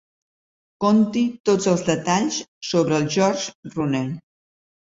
Conti tots els detalls sobre el George Rooney.